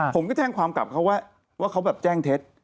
ผมก็แช่งความกลับว่าเขาแจ้งเท็จ